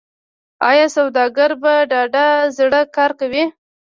آیا سوداګر په ډاډه زړه کار کوي؟